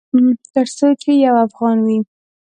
ترڅو چې یو افغان وي